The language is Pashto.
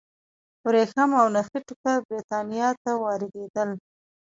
ورېښم او نخي ټوکر برېټانیا ته واردېدل.